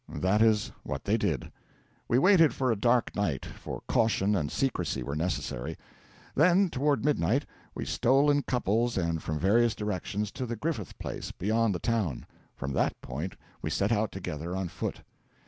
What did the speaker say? That is what they did. We waited for a dark night, for caution and secrecy were necessary; then, toward midnight, we stole in couples and from various directions to the Griffith place, beyond the town; from that point we set out together on foot.